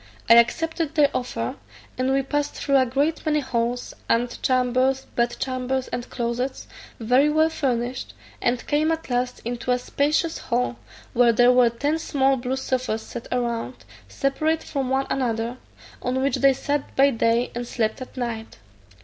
I accepted their offer, and we passed through a great many halls, ante chambers, bed chambers, and closets, very well furnished, and came at last into a spacious hall, where there were ten small blue sofas set round, separate from one another, on which they sat by day and slept at night.